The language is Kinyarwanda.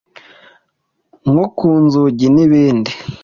nko ku nzugi n'ibindi